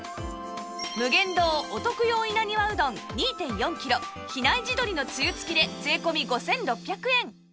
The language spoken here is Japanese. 無限堂お徳用稲庭うどん ２．４ キロ比内地鶏のつゆ付きで税込５６００円